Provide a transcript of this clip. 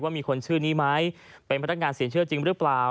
มีคนชื่อนี้ไหมเป็นพนักงานสินเชื่อจริงหรือเปล่า